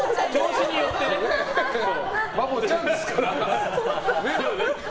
バボちゃんですから。